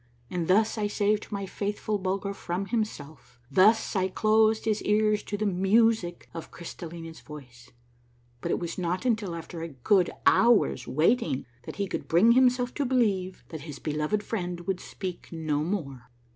And thus I saved my faithful Bulger from himself, thus I closed his ears to the music of Crystallina's voice ; but it was not until after a good hour's waiting that he could bring himself to believe that his beloved friend would speak no more.